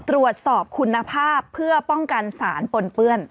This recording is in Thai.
ตรวจสอบคุณภาพเพื่อป้องกันสารปนเปื้อน